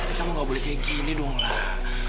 tapi kamu gak boleh kayak gini dong